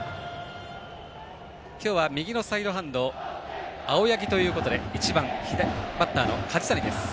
今日は右のサイドハンド青柳ということで１番、バッター、梶谷です。